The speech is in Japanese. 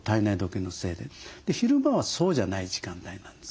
昼間はそうじゃない時間帯なんですよ。